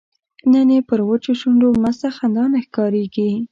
نن یې پر وچو شونډو مسته خندا نه ښکاریږي